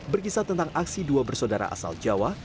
berkisah tentang aksi dua bersaudara asal jawa